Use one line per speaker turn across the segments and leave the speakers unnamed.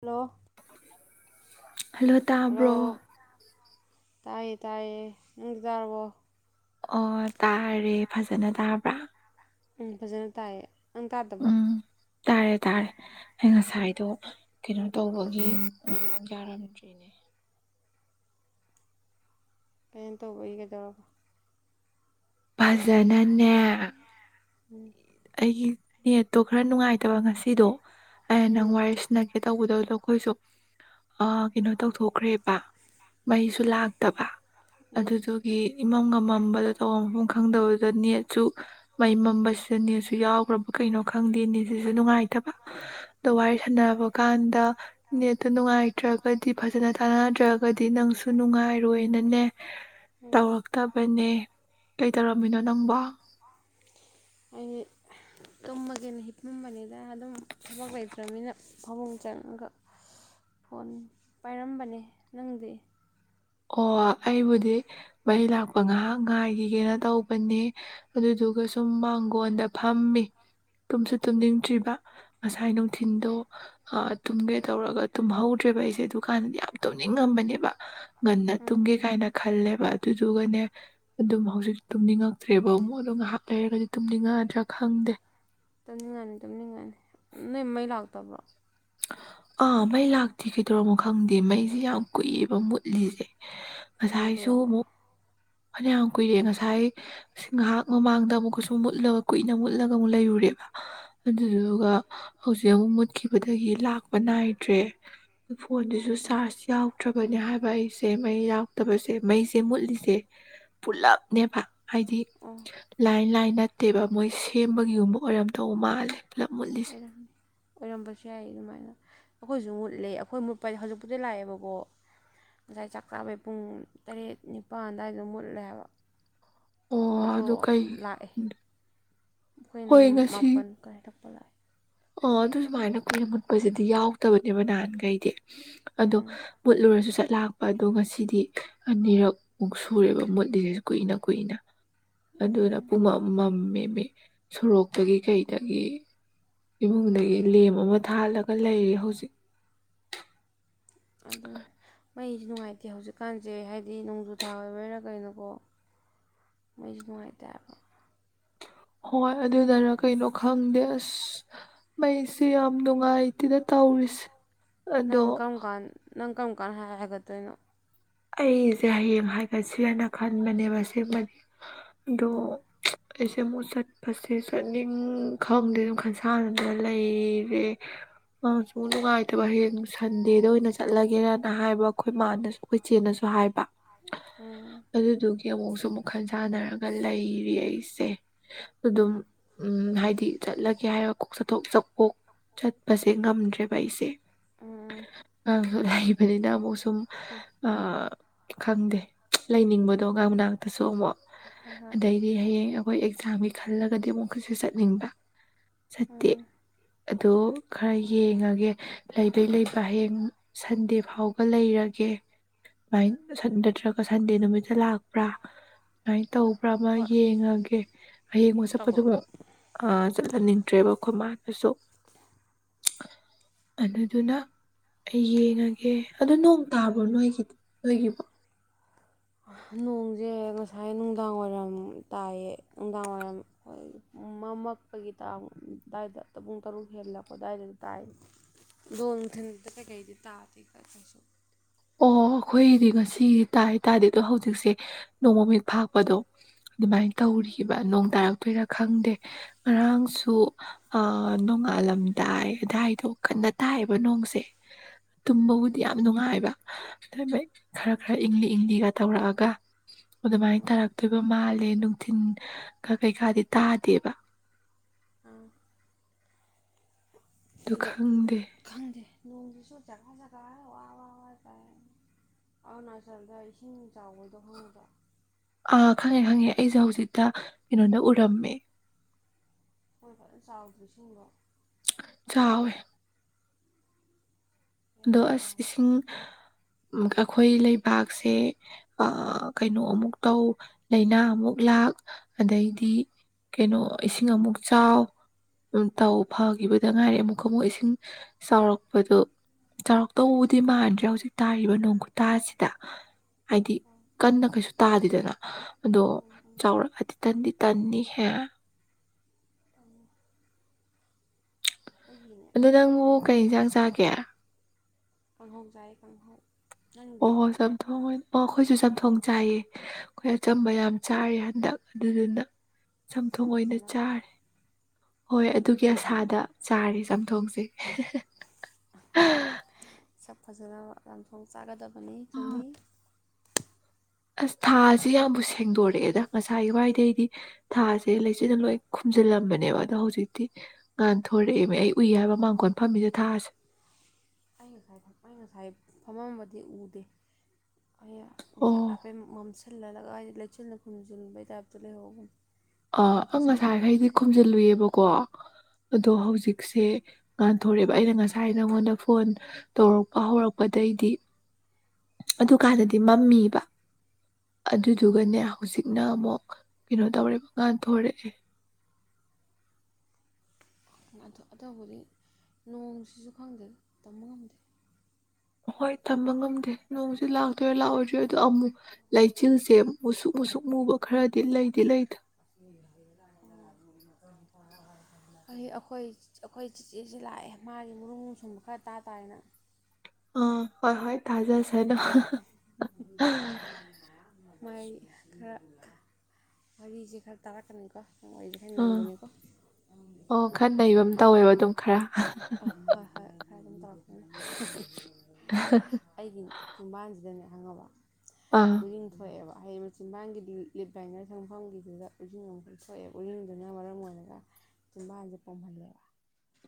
hello
hello ꯇꯥꯕ꯭ꯔꯣ
hello ꯇꯥꯏꯌꯦ ꯇꯥꯏꯌꯦꯦ ꯇꯥꯔꯕꯣ
ꯑꯣ ꯇꯥꯔꯦ ꯐꯖꯅ ꯇꯥꯕ꯭ꯔꯥ
ꯎꯝ ꯐꯖꯅ ꯇꯥꯏꯌꯦ ꯅꯪ ꯇꯥꯗꯕ꯭ꯔꯣ
ꯎꯝ ꯇꯥꯔꯦ ꯇꯥꯔꯦ ꯑꯩ ꯉꯁꯥꯏꯗꯣ ꯀꯩꯅꯣ ꯇꯧꯕꯒꯤ ꯌꯥꯔꯝꯗ꯭ꯔꯤꯅꯦ
ꯀꯦꯝ ꯇꯧꯕꯩ ꯀꯩꯗꯧꯔꯕ
ꯐꯖꯅꯅꯦ
ꯎꯝ
ꯑꯩꯒꯤ ꯅꯦꯠꯇꯣ ꯈꯔ ꯅꯨꯡꯉꯥꯏꯇꯕ ꯉꯁꯤꯗꯣ ꯑꯩ ꯅꯪ
ꯎꯝ
ꯋꯥꯔꯤ ꯁꯟꯅꯒꯦ ꯇꯧꯕꯗꯗꯣ ꯑꯩꯈꯣꯏꯁꯨ ꯑ ꯀꯩꯅꯣ ꯇꯧꯊꯣꯛꯈ꯭ꯔꯦꯕ ꯃꯩꯁꯨ ꯂꯥꯛꯇꯕ
ꯎꯝ
ꯑꯗꯨꯗꯨꯒꯤ ꯏꯃꯝꯒꯝꯃꯝꯕꯗꯨꯗ ꯇꯧꯕꯝ ꯑꯃ ꯈꯪꯗꯕꯗꯨꯗ ꯅꯦꯠꯁꯨ ꯃꯩ ꯃꯝꯕꯁꯨ ꯅꯦꯠꯁꯨ ꯌꯥꯎꯈ꯭ꯔꯕ ꯀꯩꯅꯣ ꯈꯪꯗꯦ ꯅꯦꯠꯁꯤꯁꯨ ꯅꯨꯡꯉꯥꯏꯇꯕ ꯑꯗꯣ ꯋꯥꯔꯤ
ꯎꯝ
ꯁꯥꯟꯅꯕ ꯀꯥꯟꯗ ꯅꯦꯠꯇꯣ ꯅꯨꯡꯉꯥꯏ ꯅꯠꯇ꯭ꯔꯒꯗꯤ ꯐꯖꯅ ꯇꯥꯟꯅꯗ꯭ꯔꯒꯗꯤ ꯅꯪꯁꯨ ꯅꯨꯡꯉꯥꯏꯔꯣꯏꯅꯅꯦ
ꯎꯝ
ꯇꯧꯔꯛꯇꯕꯅꯦ ꯀꯩꯗꯧꯔꯝꯃꯤꯅꯣ ꯅꯪꯕꯣ
ꯑꯩꯗꯤ ꯇꯨꯝꯃꯒꯦꯅ ꯍꯤꯞꯎꯥꯝꯕꯅꯤꯅ ꯑꯗꯨꯝ ꯊꯕꯛ ꯂꯩꯇ꯭ꯔꯕꯅꯤꯅ ꯐꯃꯨꯡ ꯆꯪꯉꯒ ꯐꯣꯟ ꯄꯥꯏꯔꯝꯕꯅꯦ ꯅꯪꯗꯤ
ꯑꯣ ꯑꯩꯕꯨꯗꯤ ꯃꯩ ꯂꯥꯛꯄ ꯉꯥꯏꯍꯥꯛ ꯉꯥꯏꯈꯤꯒꯦꯅ ꯇꯧꯕꯅꯦ ꯑꯗꯨꯗꯨꯒ ꯁꯨꯝ ꯃꯥꯡꯒꯣꯟꯗ ꯐꯝꯃꯤ ꯇꯨꯝꯁꯨ ꯇꯨꯝꯅꯤꯡꯗ꯭ꯔꯤꯕ ꯉꯁꯥꯏ ꯅꯨꯡꯊꯤꯟꯗꯣ ꯑ ꯇꯨꯝꯒꯦ ꯇꯧꯔꯒ ꯇꯨꯝꯍꯧꯗ꯭ꯔꯦꯕ ꯑꯩꯁꯦ ꯑꯗꯨꯀꯥꯟꯗꯗꯤ ꯌꯥꯝ ꯇꯧꯅꯤꯡꯉꯝꯕꯅꯦꯕ ꯉꯟꯅ
ꯎꯝ
ꯇꯨꯝꯒꯦ ꯀꯥꯏꯅ ꯈꯜꯂꯦꯕ ꯑꯗꯨꯗꯨꯒꯅꯦ ꯑꯗꯨꯝ ꯍꯧꯖꯤꯛ ꯇꯨꯝꯅꯤꯡꯉꯛꯇ꯭ꯔꯦꯕ ꯑꯃꯨꯛ ꯑꯗꯣ ꯉꯥꯏꯍꯥꯛ ꯂꯩꯔꯒꯗꯤ ꯇꯨꯝꯅꯤꯡꯉꯗ꯭ꯔꯥ ꯈꯪꯗꯦ
ꯇꯝꯅꯤꯡꯉꯥꯅꯤ ꯇꯝꯅꯤꯡꯉꯥꯅꯤ ꯅꯣꯏ ꯃꯩ ꯂꯥꯛꯇꯕ꯭ꯔꯣ
ꯑꯥ ꯃꯩ ꯂꯥꯛꯇꯦ ꯀꯩꯗꯧꯔꯝꯃꯣ ꯈꯪꯗꯦ ꯃꯩꯁꯦ ꯌꯥꯝ ꯀꯨꯏꯕ ꯃꯨꯠꯂꯤꯁꯦ
ꯀꯌꯥꯝ
ꯉꯁꯥꯏꯁꯨ
ꯀꯨꯏꯔꯕꯣ
ꯑꯃꯨꯛ ꯐꯅꯌꯥꯝ ꯀꯨꯏꯔꯦ ꯉꯁꯥꯏ ꯉꯥꯏꯍꯥꯛ ꯃꯃꯥꯡꯗ ꯑꯃꯨꯛ ꯀꯩꯁꯨꯨꯝ ꯃꯨꯠꯂꯒ ꯀꯨꯏꯅ ꯃꯨꯠꯂꯒ ꯑꯃꯨꯛ ꯂꯩꯔꯨꯔꯦꯕ
ꯎꯝ
ꯑꯗꯨꯗꯨꯒ ꯍꯧꯖꯤꯛ ꯑꯃꯨꯛ ꯃꯨꯠꯈꯤꯕꯗꯒꯤ ꯂꯥꯛꯄ ꯅꯥꯏꯗ꯭ꯔꯦ ꯐꯣꯟꯗꯨꯁꯨ
ꯑꯣꯏ
ꯆꯥꯔꯖ ꯌꯥꯎꯗ꯭ꯔꯕꯅꯦ ꯍꯥꯏꯕ ꯑꯩꯁꯦ ꯁꯦ ꯃꯩ ꯌꯥꯎꯇꯕꯁꯦ ꯃꯩꯁꯦ ꯃꯨꯠꯂꯤꯁꯦ ꯄꯨꯂꯞꯅꯦꯕ ꯍꯥꯏꯗꯤ
ꯑꯣ
ꯂꯥꯏꯟ ꯂꯥꯏꯟ ꯅꯠꯇꯦꯕ ꯃꯣꯏ ꯁꯦꯝꯕꯒꯤꯒꯨꯝꯕ ꯑꯣꯏꯔꯝꯗꯧꯕ ꯃꯥꯜꯂꯦ ꯄꯨꯂꯞ ꯃꯨꯠꯂꯤꯁꯦ
ꯑꯣꯏꯔꯝꯅꯤ ꯑꯣꯏꯔꯝꯕꯁꯨ ꯌꯥꯏ ꯑꯗꯨꯃꯥꯏꯅ ꯑꯩꯈꯣꯏꯁꯨ ꯃꯨꯠꯂꯦ ꯑꯩꯈꯣꯏ ꯃꯨꯠꯄ ꯍꯥꯏꯗꯤ ꯍꯧꯖꯤꯛꯄꯨꯗꯤ ꯂꯥꯛꯑꯦꯕꯀꯣ ꯉꯁꯥꯏ ꯆꯥꯛ ꯆꯥꯕꯩ ꯄꯨꯡ ꯇꯔꯦꯠ ꯅꯤꯄꯥꯜ ꯑꯗꯨꯋꯥꯏꯗꯣ ꯃꯨꯠꯂꯦꯕ
ꯑꯣ
ꯑꯗꯣ
ꯑꯗꯨ ꯀꯩ
ꯂꯥꯛꯑꯦ ꯑꯩꯈꯣꯏꯅ
ꯍꯣꯏ ꯉꯁꯤ
ꯃꯥꯄꯜ ꯍꯦꯟꯂꯛꯄ ꯂꯥꯛꯑꯦ
ꯑꯣ ꯑꯗꯨ ꯁꯨꯃꯥꯏꯅ ꯀꯨꯏꯅ ꯃꯨꯠꯄꯁꯤꯗꯤ ꯌꯥꯎꯗꯕꯅꯦꯕ ꯅꯍꯥꯟꯈꯩꯗꯤ ꯑꯗꯣ
ꯎꯝ
ꯃꯨꯠꯂꯨꯔꯁꯨ ꯆꯠꯂꯥꯛꯄ ꯑꯗꯣ ꯉꯁꯤꯗꯤ ꯑꯅꯤꯔꯛ ꯃꯨꯛ ꯁꯨꯔꯦꯕ ꯃꯨꯠꯂꯤꯁꯦꯁꯨ ꯀꯨꯏꯅ ꯀꯨꯏꯅ ꯑꯗꯨꯅ
ꯎꯝ
ꯄꯨꯝꯃꯝ ꯃꯝꯃꯦꯃꯤ ꯁꯣꯔꯣꯛꯇꯒꯤ ꯀꯩꯗꯒꯤ ꯏꯃꯨꯡꯗꯒꯤ ꯂꯦꯝ ꯑꯃ ꯊꯥꯜꯂꯒ ꯂꯩꯔꯤ ꯍꯧꯖꯤꯛ
ꯑꯗꯨꯅꯤ ꯃꯩꯖꯤ ꯅꯨꯡꯉꯥꯏꯇꯦ ꯍꯧꯖꯤꯛꯀꯥꯟꯁꯦ ꯍꯥꯏꯗꯤ ꯅꯣꯡꯖꯨ ꯊꯥ ꯑꯣꯏꯕꯩꯔꯥ ꯀꯩꯅꯣꯀꯣ ꯃꯩꯖꯨ ꯅꯨꯡꯉꯥꯏꯇꯦ ꯍꯥꯏꯕ
ꯍꯣꯏ ꯑꯗꯨꯅꯔ ꯀꯩꯅꯣ ꯈꯪꯗꯦ ꯑꯁ ꯃꯩꯁꯨ ꯌꯥꯝ ꯅꯨꯡꯉꯥꯏꯇꯦꯗ ꯇꯧꯔꯤꯁꯦ
ꯅꯪ
ꯑꯗꯣ
ꯀꯔꯝ ꯀꯥꯟ ꯅꯪ ꯀꯔꯝ ꯀꯥꯟ ꯍꯥꯏ ꯍꯥꯏꯒꯠꯇꯣꯏꯅꯣ
ꯑꯩꯁꯦ ꯍꯌꯦꯡ ꯍꯥꯏꯒꯠꯁꯤꯔꯅ ꯈꯟꯕꯅꯦꯕ ꯁꯦꯝꯃꯗꯤ ꯑꯗꯣ
ꯎꯝ
ꯑꯩꯁꯦ ꯑꯃꯨꯛ ꯆꯠꯄꯁꯦ ꯆꯠꯅꯤꯡ ꯈꯪꯗꯦ ꯑꯗꯨꯝ ꯈꯟꯁꯥꯟꯅꯅ ꯂꯩꯔꯦ ꯑ ꯁꯨꯝ ꯅꯨꯡꯉꯥꯏꯇꯕ ꯍꯌꯦꯡ ꯁꯟꯗꯦꯗ ꯑꯣꯏꯅ ꯆꯠꯂꯒꯦꯔꯅ ꯍꯥꯏꯕ ꯑꯩꯈꯣꯏ ꯃꯥꯅꯁꯨ ꯑꯩꯈꯣꯏꯆꯦꯅꯁꯨ ꯍꯥꯏꯕ
ꯎꯝ
ꯑꯗꯨꯗꯨꯒꯤ ꯌꯦꯡ ꯑꯃꯨꯛꯁꯨ ꯑꯃꯨꯛ ꯈꯟꯖꯥꯟꯅꯔꯒ ꯂꯩꯔꯤ ꯑꯩꯁꯦ ꯑꯗꯨꯝ ꯎꯝ ꯍꯥꯏꯗꯤ ꯆꯠꯂꯒꯦ ꯍꯥꯏꯔꯒ ꯀꯣꯛ ꯆꯊꯣꯛꯆꯣ ꯀꯣꯛ ꯆꯠꯄꯁꯦ ꯉꯝꯗ꯭ꯔꯦꯕ ꯑꯩꯁꯦ
ꯎꯝ
ꯉꯔꯥꯡꯁꯨ ꯂꯩꯕꯅꯤꯅ ꯑꯃꯨꯛꯁꯨ ꯁꯨꯝ
ꯎꯝ
ꯑ ꯈꯪꯗꯦ ꯂꯩꯅꯤꯡꯕꯗꯣ ꯑꯉꯥꯡ ꯃꯅꯥꯛꯇꯁꯨ ꯑꯃꯨꯛ
ꯍꯣꯏ ꯍꯣꯏ
ꯑꯗꯩꯗꯤ ꯍꯌꯦꯡ ꯑꯩꯈꯣꯏ ꯑꯦꯛꯖꯥꯝꯒꯤ ꯈꯜꯂꯒꯗꯤ ꯑꯃꯨꯛꯀꯁꯨ ꯆꯠꯅꯤꯡꯕ ꯆꯠꯇꯦ
ꯎꯝ
ꯑꯗꯣ ꯈꯔ ꯌꯦꯡꯉꯒꯦ ꯂꯩꯕꯩ ꯂꯩꯕ ꯍꯌꯦꯡ ꯁꯟꯗꯦ ꯐꯥꯎꯕ ꯂꯩꯔꯒꯦ ꯃꯥꯏꯟ ꯁꯟ ꯅꯠꯇ꯭ꯔꯒ ꯁꯟꯗꯦ ꯅꯨꯃꯤꯠꯇ ꯂꯥꯛꯄ꯭ꯔꯥ ꯁꯨꯃꯥꯏꯅ ꯇꯧ ꯕ‌꯭ꯔꯥꯃ ꯑꯃ
ꯍꯣꯏ
ꯌꯦꯡꯉꯒꯦ ꯍꯌꯦꯡꯃꯛ
ꯇꯧꯔꯣ
ꯆꯠꯄꯗꯨꯒ ꯑ ꯆꯠꯍꯟꯅꯤꯡꯗ꯭ꯔꯦꯕ ꯑꯩꯈꯣꯏ ꯃꯥꯅꯁꯨ ꯑꯗꯨꯗꯨꯅ ꯑꯩ ꯌꯦꯡꯉꯒꯦ ꯑꯗꯨ ꯅꯣꯡ ꯇꯥꯕ꯭ꯔꯣ ꯅꯣꯏꯒꯤ ꯅꯣꯏꯒꯤꯕꯣ
ꯅꯣꯡꯁꯦ ꯉꯁꯥꯏ ꯅꯨꯡꯗꯥꯡ ꯋꯥꯏꯔꯝ ꯇꯥꯏꯌꯦ ꯅꯨꯡꯗꯥꯡ ꯋꯥꯏꯔꯝ ꯍꯣꯏ ꯃꯃꯛꯄꯒꯤ ꯇꯥꯡ ꯑꯗꯥꯏꯗ ꯄꯨꯡ ꯇꯔꯨꯛ ꯍꯦꯜꯂꯛꯄ ꯑꯗꯥꯏꯗ ꯇꯥꯏ ꯑꯗꯣ ꯅꯨꯡꯊꯤꯟꯗ ꯀꯩꯀꯩꯗꯤ ꯇꯥꯗꯦꯗ ꯀꯩꯁꯨ
ꯑꯣ ꯑꯩꯈꯣꯏꯗꯤ ꯉꯁꯤꯗꯤ ꯇꯥꯏ ꯇꯥꯗꯦ ꯑꯗꯣ ꯍꯧꯖꯤꯛꯁꯦ ꯅꯣꯡꯃ ꯃꯃꯤꯛ ꯐꯥꯛꯄꯗꯣ ꯑꯗꯨꯃꯥꯏꯟ ꯇꯧꯔꯤꯕ ꯅꯣꯡ ꯇꯥꯔꯛꯇꯣꯏꯔ ꯈꯪꯗꯦ ꯉꯔꯥꯡꯁꯨ ꯑ ꯅꯣꯡꯉꯥꯜꯂꯝꯗꯥꯏ ꯑꯗꯥꯏꯗꯣ ꯀꯟꯅ ꯇꯥꯏꯕ ꯅꯣꯡꯁꯦ ꯇꯨꯝꯕꯕꯨꯗꯤ ꯌꯥꯝ ꯅꯨꯡꯉꯥꯏꯕ ꯑꯗꯨ ꯈꯔ ꯈꯔ ꯏꯪꯂꯤ ꯏꯪꯂꯤꯒ ꯇꯧꯔꯛꯑꯒ ꯑꯗꯨꯃꯥꯏꯅ
ꯎꯝ
ꯇꯥꯔꯛꯇꯣꯏꯕ ꯃꯥꯜꯂꯦ ꯅꯨꯡꯊꯤꯟ ꯈ ꯀꯩꯀꯥꯗꯤ ꯇꯥꯗꯦꯕ
ꯎꯝ
ꯑꯗꯨ
ꯑꯗꯣ
ꯈꯪꯗꯦ
ꯈꯪꯗꯦ ꯅꯣꯡꯁꯤꯖꯨ ꯖꯒꯥ ꯖꯒꯥꯥꯏ ꯋꯥꯋꯥ ꯋꯥ ꯇꯥꯏ ꯑꯔꯨꯅꯥꯆꯜꯗ ꯏꯁꯤꯡ ꯆꯥꯎꯕꯗꯣ ꯈꯪꯗ꯭ꯔꯣ
ꯑ ꯈꯪꯉꯦ ꯈꯪꯉꯦ ꯑꯩꯁꯨ ꯍꯧꯖꯤꯛꯇ ꯀꯩꯅꯣꯗ ꯎꯔꯝꯃꯦ
ꯃꯣꯏ ꯐꯖꯅ ꯆꯥꯎꯗ꯭ꯔ ꯏꯁꯤꯡꯗꯣ
ꯆꯥꯎꯋꯦ ꯑꯗꯣ
ꯕꯦꯔꯥꯅꯤ
ꯑꯁ
ꯍꯥꯏꯕ
ꯏꯁꯤꯡ ꯑꯩꯈꯣꯏ ꯂꯩꯕꯥꯛꯁꯦ ꯑ ꯀꯩꯅꯣ ꯑꯃꯨꯛ ꯇꯧ ꯂꯥꯏꯅꯥ ꯑꯃꯨꯛ ꯂꯥꯛ ꯑꯗꯩꯗꯤ ꯀꯩꯅꯣ ꯏꯁꯤꯡ ꯑꯃꯨꯛ ꯆꯥꯎ ꯑꯝ ꯇꯧ ꯐꯈꯤꯕꯗ ꯉꯥꯏꯔꯤ ꯑꯃꯨꯛꯀ ꯑꯃꯨꯛ ꯏꯁꯤꯡ ꯆꯥꯎꯔꯛꯄꯗꯣ ꯆꯥꯎꯔꯛꯇꯧꯕꯨꯗꯤ ꯃꯥꯟꯗ꯭ꯔꯦ ꯍꯧꯖꯤꯛ ꯇꯥꯔꯤꯕ ꯅꯣꯡ ꯈꯨꯨꯇꯥꯁꯤꯗ ꯍꯥꯏꯗꯤ ꯀꯟꯅ ꯀꯩꯁꯨ ꯇꯥꯗꯦꯗꯅ ꯑꯗꯣ
ꯎꯝ ꯎꯝ
ꯆꯥꯎꯔꯛꯑꯗꯤ ꯇꯟꯗꯤ ꯇꯟꯅꯤꯍꯦ
ꯑꯩꯒꯤꯅꯦ
ꯑꯗꯣ ꯅꯪꯕꯨ ꯀꯩ ꯌꯦꯟꯁꯥꯡ ꯆꯥꯒꯦ
ꯀꯪꯍꯧ ꯆꯥꯏ ꯀꯥꯡꯍꯧ ꯅꯪꯗꯤ
ꯑꯣꯍꯣ ꯆꯝꯊꯣꯡ ꯑꯣꯏꯅ ꯑꯣ ꯑꯩꯈꯣꯏꯁꯨ ꯆꯝꯊꯣꯡ ꯆꯥꯏꯌꯦ ꯑꯩꯈꯣꯏ ꯑꯆꯝꯕ ꯌꯥꯝ ꯆꯥꯔꯦ ꯍꯟꯗꯛ ꯑꯗꯨꯗꯨꯅ
ꯁꯛ
ꯆꯝꯊꯣꯡ ꯑꯣꯏꯅ
ꯐꯖꯅꯕ
ꯆꯥꯔꯦ ꯍꯣꯏ ꯑꯗꯨꯒꯤ ꯑꯁꯥꯗ ꯆꯥꯔꯦ ꯆꯝꯊꯣꯡꯁꯦ
ꯁꯛ ꯐꯖꯅ ꯆꯝꯊꯣꯡ ꯆꯥꯒꯗꯕꯅꯤ ꯆꯨꯝꯃꯤ
ꯑꯁ ꯊꯥꯁꯦ ꯌꯥꯝꯕꯨ ꯁꯦꯡꯗꯣꯔꯛꯑꯦꯗ ꯉꯁꯥꯏ ꯋꯥꯏꯗꯩꯗꯤ ꯊꯥꯁꯦ ꯂꯩꯆꯤꯜꯅ ꯂꯣꯏ ꯈꯨꯝꯖꯤꯜꯂꯝꯕꯅꯦꯕ ꯑꯗꯣ ꯍꯧꯖꯤꯛꯇꯤ ꯉꯥꯟ ꯊꯣꯔꯛꯑꯦꯕ ꯑꯩ ꯎꯏ ꯍꯥꯏꯕ ꯃꯥꯡꯈꯣꯟ ꯐꯝꯃꯤꯁꯦ ꯊꯥꯥꯁꯦ
ꯑꯩ ꯉꯁꯥꯏ ꯑꯩ ꯉꯁꯥꯏ ꯐꯝꯃꯝꯝꯕꯗꯤ ꯎꯗꯦ ꯑꯩ ꯉꯁꯥꯏ ꯍꯥꯏꯐꯦꯠ ꯃꯝꯁꯤꯜꯍꯜꯂꯒ ꯍꯥꯏꯗꯤ ꯂꯩꯆꯤꯟꯅ ꯈꯨꯝꯖꯤꯟꯕꯩ ꯇꯥꯏꯞꯇ ꯂꯩꯍꯧꯕꯅꯦ
ꯑ ꯑꯪ ꯉꯁꯥꯏꯈꯩꯗꯤ ꯈꯨꯝꯖꯤꯜꯂꯨꯏꯑꯕꯀꯣ ꯑꯗꯣ
ꯎꯝ
ꯍꯧꯖꯤꯛ ꯁꯦ ꯉꯥꯟꯊꯣꯔꯛꯑꯦꯕ ꯑꯩꯅ ꯉꯁꯥꯏ ꯅꯉꯣꯟꯗ ꯐꯣꯟ ꯇꯧꯔꯛꯄ ꯍꯧꯔꯛꯄꯗꯩꯗꯤ ꯑꯗꯨꯀꯥꯟꯗꯗꯤ ꯃꯝꯃꯤꯕ
ꯑꯣ
ꯑꯗꯨꯗꯨꯒꯅꯦ ꯍꯧꯖꯤꯛꯅ ꯑꯃꯨꯛ ꯀꯩꯅꯣ ꯇꯧꯔꯦꯕ ꯉꯥꯟ ꯊꯣꯔꯛꯑꯦ
ꯑꯗꯨ ꯑꯗꯨꯕꯨꯗꯤ ꯅꯣꯡꯁꯤꯁꯨ ꯈꯪꯗꯦ ꯇꯝꯕ ꯉꯝꯗꯦ
ꯍꯣꯏ ꯇꯝꯕ ꯉꯝꯗꯦ ꯅꯣꯡꯁꯤ ꯂꯥꯛꯇꯣꯏꯔꯥ ꯂꯥꯛꯑꯣꯏꯗ꯭ꯔ ꯑꯗꯣ ꯑꯃꯨꯛ ꯂꯩꯆꯤꯜꯁꯦ ꯃꯨꯁꯨꯛ ꯃꯨꯁꯨꯛ ꯃꯨꯕ ꯈꯔꯗꯤ ꯂꯩꯗꯤ ꯂꯩꯗ
[unintelligible]
[inaudible]
ꯑꯩ ꯑꯩꯈꯣꯏ ꯑꯩꯈꯣꯏ ꯆꯤꯆꯦꯁꯤ ꯂꯥꯛꯑꯦ ꯃꯥꯒꯤ ꯃꯔꯨꯝ ꯃꯨꯔꯨ ꯁꯣꯟꯕ ꯈꯔ ꯇꯥꯇꯥꯥꯔꯦ ꯅꯪ
ꯑ ꯍꯣꯏ ꯍꯣꯏ ꯇꯥꯖꯁꯅꯨ
[unintelligible] ꯃꯥꯏ ꯈꯔ ꯋꯥꯔꯤꯁꯦ ꯈꯔ ꯇꯥꯔꯛꯀꯅꯤꯀꯣ ꯃꯣꯏꯖꯦ ꯈꯔ
ꯑꯥ
ꯅꯩꯕꯅꯤꯀꯣ
ꯑꯣ ꯈꯔ ꯅꯩꯕ ꯑꯃ ꯇꯧꯋꯦꯕ ꯑꯗꯨꯝ ꯈꯔ
ꯍꯣꯏ ꯍꯣꯏ ꯈꯔ ꯑꯗꯨꯝ ꯇꯧꯔꯛꯄꯅꯦ ꯑꯩꯒꯤ ꯆꯤꯝꯕꯥꯜꯁꯤꯗꯅꯦ ꯈꯪꯉꯕ
ꯑꯥ
ꯎꯔꯤꯡ ꯊꯣꯛꯑꯦꯕ ꯍꯥꯏꯗꯤ ꯆꯤꯟꯕꯥꯥꯡꯒꯤꯗꯤ ꯂꯤꯐ ꯂꯥꯏꯅꯔ ꯁꯪꯐꯝꯒꯤꯗꯨꯗ ꯎꯔꯤꯡꯕ ꯊꯣꯛꯑꯦꯕ ꯎꯔꯤꯡꯗꯨꯅ ꯃꯔꯝ ꯑꯣꯏꯔꯒ ꯆꯤꯝꯕꯥꯟꯁꯦ ꯄꯣꯝꯍꯜꯂꯦꯕ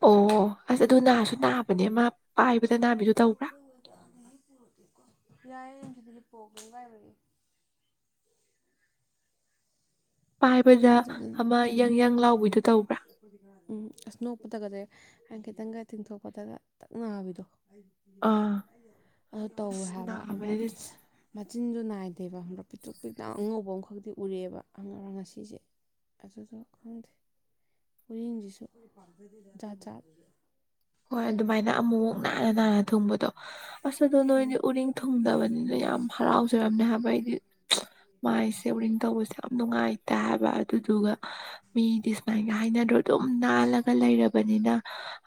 ꯑꯣ ꯑꯁ ꯑꯗꯨ ꯅꯥꯁꯨ ꯅꯥꯕꯅꯦ ꯃꯥ ꯄꯥꯏꯕꯗ ꯅꯥꯕꯤꯗꯨ ꯇꯧꯕ꯭ꯔꯥ
ꯑꯩ ꯆꯦꯀꯣ ꯌꯥꯏꯌꯦ ꯑꯗꯨꯗꯤ ꯄꯣꯛꯕ ꯉꯥꯏꯔꯦ
ꯄꯥꯏꯕꯗ
ꯑꯗꯨꯗꯨꯅ
ꯑꯃ ꯌ꯭ꯪ ꯌ꯭ꯪ ꯂꯥꯎꯕꯗꯨ ꯇꯧꯕꯔ
ꯎꯝ ꯑꯁ ꯅꯣꯛꯄꯗꯒꯗꯤ ꯍꯥꯢꯐꯦꯠꯇꯪꯒ ꯇꯤꯡꯊꯣꯛꯄꯗꯒ ꯇꯛꯅ ꯅꯥꯕꯤꯗꯣ
ꯑꯥ
ꯑꯗꯨ ꯇꯧꯋꯦ
ꯑꯁ
ꯍꯥꯏꯕ ꯑꯃ
ꯅꯥꯕꯅꯦ
ꯃꯆꯤꯟꯖꯨ ꯅꯥꯏꯗꯦꯕ ꯈꯡꯕꯔ ꯄꯤꯛꯇꯔꯨ ꯄꯤꯛꯅ ꯑꯉꯧꯕ ꯑꯃꯈꯛꯇꯤ ꯎꯔꯛꯑꯦꯕ ꯉꯁꯤꯁꯦ [unintelligible] ꯎꯔꯤꯡꯁꯤꯁꯨ ꯖꯥꯠ ꯖꯥꯠꯅꯤ
ꯍꯣꯏ ꯑꯗꯨꯃꯥꯏꯅ ꯑꯃꯨꯛꯃꯨꯛ ꯅꯥꯟꯅ ꯅꯥꯟꯅ ꯊꯨꯡꯕꯗꯣ ꯑꯁꯗꯣ ꯅꯣꯏꯗꯤ
ꯎꯝ
ꯎꯔꯤꯡ ꯊꯨꯡꯗꯕꯅꯤꯅ ꯌꯥꯝ ꯍꯔꯥꯎꯖꯔꯝꯅꯤ ꯍꯥꯏꯕ ꯑꯩꯗꯤ ꯃꯥꯏꯁꯦ ꯎꯔꯤꯡ ꯇꯧꯕꯁꯦ ꯌꯥꯝ ꯅꯨꯡꯉꯥꯏꯇ ꯍꯥꯏꯕ ꯑꯗꯨꯗꯨꯒ ꯃꯤꯗꯤ ꯁꯨꯃꯥꯏꯅꯒ ꯍꯥꯏꯅꯗ꯭ꯔꯣ ꯑꯗꯨꯝ ꯅꯥꯜꯂꯒ ꯂꯩꯔꯕꯅꯤꯅ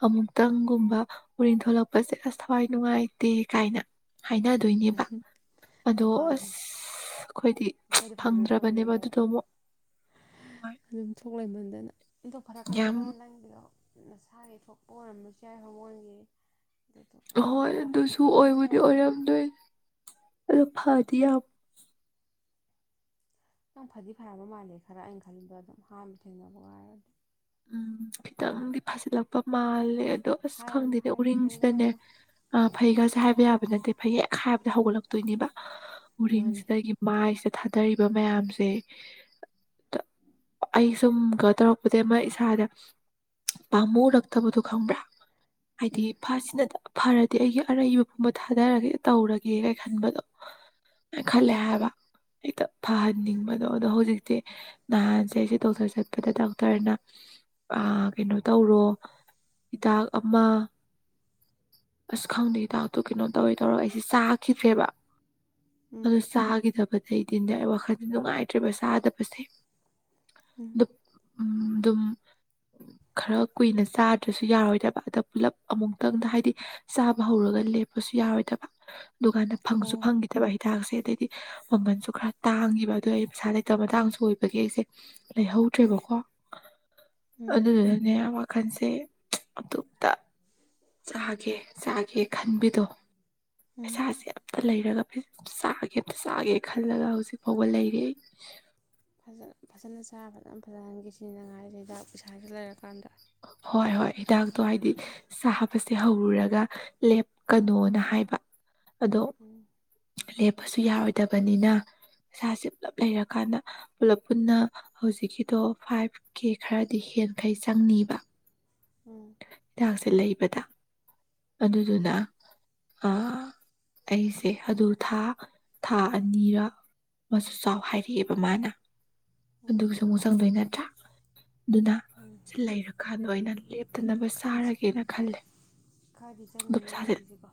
ꯑꯃꯨꯛ ꯑꯃꯨꯛꯇꯪꯒꯨꯝꯕ ꯎꯔꯤꯡ ꯊꯣꯂꯛꯄꯁꯦ ꯑꯁ ꯊꯋꯥꯏ ꯅꯨꯡꯉꯥꯏꯇꯦ ꯀꯥꯏꯅ ꯍꯥꯏꯅꯗꯣꯏꯅꯦꯕ ꯑꯗꯣ
ꯃꯥꯅꯦ
ꯑꯁ ꯑꯩꯈꯣꯏꯗꯤ
ꯑꯩꯈꯣꯏꯗꯤ ꯐꯪꯖꯗ꯭ꯔꯕꯅꯦ
ꯐꯪꯗ꯭ꯔꯕꯅꯦꯕ
ꯀꯩꯅꯣ
ꯑꯗꯨꯗꯣ ꯑꯃꯨꯛ ꯍꯣꯏ
ꯑꯗꯨꯝ ꯁꯣꯛ ꯂꯩꯃꯟꯗꯅ ꯏꯗꯣ
ꯌꯥꯝ
ꯐꯔꯛꯀꯅꯤꯍ ꯅꯪꯒꯤꯗꯣ ꯃꯁꯥꯒꯤ ꯊꯣꯛꯄ ꯑꯣꯏꯔꯝꯕꯁꯨ ꯌꯥꯏ ꯍꯧꯒꯜꯒꯤ
ꯑꯍꯣꯏ ꯑꯗꯨꯁꯨ
ꯐꯗꯤ
ꯑꯣꯏꯕꯨꯗꯤ
ꯐꯔꯛꯀꯅꯤ
ꯑꯣꯏꯔꯝꯗꯣꯏ ꯑꯗꯨ ꯐꯗꯤ ꯌꯥꯝ
ꯅꯪ ꯐꯗꯤ ꯐꯔꯕ ꯃꯥꯜꯂꯦ ꯈꯔ ꯑꯩꯅ ꯈꯜꯂꯤꯗꯣ ꯑꯗꯨꯝ ꯍꯥꯟꯕ ꯊꯦꯡꯅꯕ ꯋꯥꯥꯏꯔꯗꯤ
ꯎꯝ ꯈꯤꯇꯪꯗꯤ ꯐꯥꯖꯤꯜꯂꯛꯄ ꯃꯥꯜꯂꯦ ꯑꯗꯣ ꯑꯁ
ꯍꯥꯏꯔꯅꯨ
ꯈꯪꯗꯦꯅꯦ
ꯍꯥꯏꯔꯅꯨ ꯐꯩꯒ
ꯎꯔꯤꯡꯁꯤꯅꯥꯅꯦ
ꯍꯥꯏꯔꯨꯅꯨ
ꯑ ꯐꯩꯒꯁꯦ ꯍꯥꯏꯕ ꯌꯥꯕ ꯅꯠꯇꯦ ꯐꯩ ꯍꯦꯛ ꯍꯥꯏꯕꯗ ꯍꯧꯒꯠꯂꯛꯇꯣꯏꯅꯦꯕ
ꯃꯥꯅꯦ
ꯎꯔꯤꯡꯁꯤꯗꯒꯤ ꯃꯥꯏꯁꯤꯗ ꯊꯥꯗꯔꯤꯕ ꯃꯌꯥꯝꯁꯦ
[inaudible]
ꯑꯩ ꯁꯨꯝ ꯇꯧꯔꯛꯄꯗꯒꯤ ꯑꯃ ꯏꯁꯥꯗ ꯄꯥꯝꯃꯨꯔꯛ ꯇꯥꯕꯗꯣ ꯈꯪꯕ꯭ꯔꯥ ꯍꯥꯏꯗꯤ
ꯎꯝ
ꯐꯁꯤꯅꯗ ꯐꯔꯗꯤ ꯑꯩꯒꯤ ꯑꯔꯩꯕ ꯄꯨꯝꯕ ꯊꯥꯗꯔꯒꯦ ꯇꯧꯔꯒꯦꯒ ꯈꯟꯕꯗꯣ ꯈꯂꯦ
ꯎꯝ
ꯍꯥꯏꯕ ꯍꯦꯛꯇ ꯐꯍꯟꯅꯤꯡꯕꯗꯣ ꯑꯗꯣ ꯍꯧꯖꯤꯛꯇꯤ ꯅꯍꯥꯟꯁꯦ ꯑꯩꯁꯦ ꯗꯣꯛꯇꯔ ꯆꯠꯄꯗ ꯗꯣꯛꯇꯔꯅ ꯀꯩꯅꯣ ꯇꯧꯔꯣ ꯍꯤꯗꯥꯛ ꯑꯃ ꯑꯁ ꯈꯪꯗꯦ ꯍꯗꯥꯛꯇꯣ ꯀꯩꯅꯣ ꯇꯧꯋꯦ ꯇꯧꯔ ꯑꯩꯁꯦ ꯆꯥꯈꯤꯗ꯭ꯔꯦꯕ
ꯎꯝ
ꯑꯗꯨ ꯆꯥꯈꯤꯗꯕꯗ ꯏꯗꯤꯟꯗꯤ ꯑꯩ ꯋꯥꯈꯜꯗ ꯅꯨꯡꯉꯥꯏꯇ꯭ꯔꯤꯕ ꯆꯥꯗꯕꯁꯦ ꯑꯗꯨ ꯎꯝ ꯑꯗꯨ ꯈꯔ ꯀꯨꯏꯅ ꯆꯥꯗ꯭ꯔꯁꯨ ꯌꯥꯔꯣꯏꯗꯕ ꯑꯗ ꯄꯨꯜꯂꯞ ꯑꯃꯨꯛꯇꯪꯗ ꯍꯥꯏꯗꯤ ꯆꯥꯕ ꯍꯧꯔꯒ ꯂꯦꯞꯄꯁꯨ ꯌꯥꯔꯣꯏꯗꯕ ꯗꯨꯀꯥꯟꯗ ꯐꯪꯁꯨ
ꯑꯣ
ꯐꯪꯈꯤ ꯐꯠꯇꯕ ꯍꯤꯗꯥꯛꯁꯦ ꯑꯗꯩꯗꯤ ꯃꯃꯜꯁꯨ ꯈꯔ ꯇꯥꯡꯉꯦꯕ ꯑꯗꯣ ꯑꯩ ꯄꯩꯁꯥ ꯂꯩꯇꯕ ꯃꯇꯥꯡꯁꯨ ꯑꯣꯏꯕꯒꯤ ꯑꯩꯁꯦ ꯂꯩꯍꯧꯗ꯭ꯔꯦꯕꯀꯣ
ꯎꯝ
ꯑꯗꯨꯗꯨꯅꯅꯦ ꯋꯥꯈꯜꯁꯦ ꯑꯇꯣꯝꯇ ꯆꯥ [unintelligible] ꯆꯥꯒꯦ ꯈꯟꯕꯤꯗꯣ
ꯎꯝ
ꯏꯁꯥꯁꯦ ꯑꯝꯇ ꯂꯩꯔꯒ ꯆꯥꯒꯦ ꯑꯃꯝꯇ ꯆꯥꯒꯦ ꯈꯜꯂꯒ ꯍꯧꯖꯤꯛ ꯐꯥꯎꯕ ꯂꯩꯔꯤ꫰ꯑꯩ
ꯐꯖ ꯐꯖꯅ ꯆꯥ ꯐꯖꯅ ꯐꯖꯍꯟꯒꯦꯁꯤꯅꯤ ꯅꯪ ꯍꯥꯏꯖꯦ ꯍꯤꯗꯥꯛ ꯄꯩꯁꯥꯥꯁꯦ ꯂꯩꯔꯀꯥꯟꯗ
ꯍꯣꯏ ꯍꯣꯏ ꯍꯤꯗꯥꯛꯇꯣ ꯍꯥꯏꯗꯤ ꯆꯥꯕꯁꯦ ꯍꯧꯔꯨꯔꯒ
ꯃꯥꯅꯦ
ꯂꯦꯞꯀꯅꯣꯅ ꯍꯥꯏꯕ ꯑꯗꯣ
ꯎꯝ
ꯂꯦꯞꯄꯁꯨ ꯌꯥꯔꯣꯏꯗꯕꯅꯤꯅ ꯄꯩꯁꯥꯁꯦ ꯄꯨꯂꯞ ꯂꯩꯔꯀꯥꯟꯗ ꯄꯨꯂꯞ ꯄꯨꯟꯅ ꯍꯧꯖꯤꯛꯀꯤꯗꯣ ꯐꯥꯏꯚ ꯀꯦ ꯈꯔꯗꯤ ꯍꯦꯟꯈꯩ ꯆꯪꯅꯤꯕ
ꯎꯝ
ꯍꯤꯗꯥꯛꯁꯦ ꯂꯩꯕꯗ ꯑꯗꯨꯗꯨꯅ ꯑꯩꯁꯦ ꯑꯗꯨ ꯊꯥ ꯊꯥ ꯑꯅꯤꯔ ꯑꯃꯁꯨ ꯆꯥꯎ ꯍꯥꯏꯔꯛꯑꯦꯕ ꯃꯥꯅ ꯑꯗꯨꯒꯁꯨ ꯑꯃꯨꯛ ꯆꯪꯗꯣꯏ ꯅꯠꯇ꯭ꯔꯥ ꯑꯗꯨꯅ
ꯎꯝ
ꯁꯤ ꯂꯩꯔꯀꯥꯟꯗ ꯑꯣꯏꯅ ꯂꯦꯞꯇꯅꯕ
ꯈꯔꯗꯤ
ꯆꯥꯔꯒꯦꯅ ꯈꯜꯂꯦ
ꯈꯔꯗꯤ
ꯑꯗꯣ
ꯆꯪꯒꯅꯤ
ꯄꯩꯁꯥꯁꯦ
ꯅꯪꯒꯤꯁꯦꯀꯣ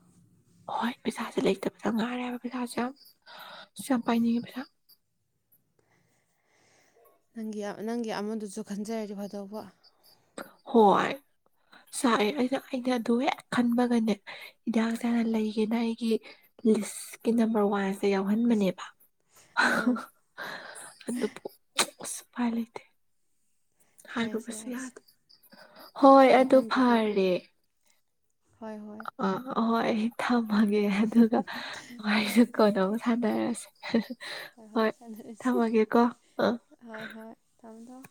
ꯍꯣꯏ ꯄꯩꯁꯥꯁꯦ ꯂꯩꯇꯕꯗ ꯉꯥꯏꯔꯦꯕ ꯄꯩꯁꯥꯁꯦ ꯌꯥꯝ ꯌꯥꯝ ꯄꯥꯏꯅꯤꯡꯉꯦ ꯄꯩꯁꯥ
ꯅꯪꯒꯤ ꯅꯪꯒꯤ ꯑꯃꯗꯨꯁꯨ ꯈꯟꯖꯔꯗꯤ ꯐꯗꯧꯕ
ꯍꯣꯏ ꯆꯥꯛꯑꯦ ꯑꯩꯅ ꯑꯩꯅ ꯑꯗꯨ ꯍꯦꯛ ꯈꯟꯕꯒꯅꯦ ꯍꯤꯗꯥꯛꯁꯦ ꯍꯥꯟꯅ ꯂꯩꯒꯦꯅ ꯑꯩꯒꯤ ꯂꯤꯁꯀꯤ ꯅꯝꯕꯔ ꯋꯥꯟꯁꯦ ꯌꯥꯎꯍꯟꯕꯅꯦꯕ
ꯑꯥ
ꯑꯗꯨꯕꯨ ꯑꯁ ꯎꯄꯥꯏ ꯂꯩꯇꯦ
ꯌꯥꯏꯁꯦ
ꯍꯥꯏꯔꯨꯕꯁꯨ
ꯌꯥꯏꯁꯦ
ꯌꯥꯗꯦ ꯍꯣꯏ ꯑꯗꯨ
ꯃꯊꯪꯗꯗꯤ
ꯐꯔꯦ
ꯍꯣꯏ ꯍꯣꯏ
ꯑꯥ ꯍꯣꯏ ꯊꯝꯃꯒꯦ ꯑꯗꯨꯒ
ꯍꯣꯏ
ꯋꯥꯔꯤꯁꯨ ꯀꯣꯟꯅ ꯑꯃꯨꯛ ꯁꯥꯟꯅꯔꯁꯦ ꯍꯣꯏ ꯊꯝꯃꯒꯦ ꯀꯣ ꯑꯥ
ꯍꯣꯏ ꯍꯣꯏ ꯊꯝꯃꯣ ꯊꯝꯃꯣ